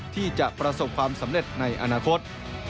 ที่จะประสบความสำเร็จในอนาคต